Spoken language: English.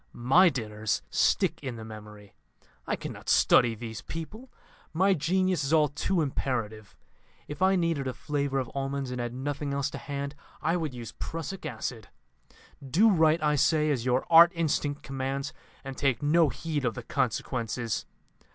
My dinners stick in the memory. I cannot study these people my genius is all too imperative. If I needed a flavour of almonds and had nothing else to hand, I would use prussic acid. Do right, I say, as your art instinct commands, and take no heed of the consequences.